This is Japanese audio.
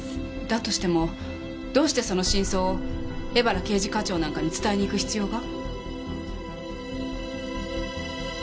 だとしてもどうしてその真相を江原刑事課長なんかに伝えにいく必要が？